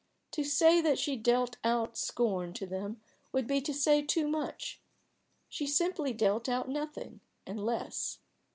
To say that she dealt out scorn to them would be to say too much; she simply dealt out nothing and less.